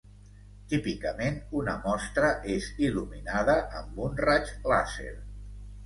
Típicament, una mostra és il·luminada amb un raig làser.